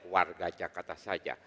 warga jakarta saja